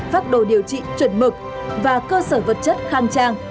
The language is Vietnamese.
phát đồ điều trị chuẩn mực và cơ sở vật chất khang trang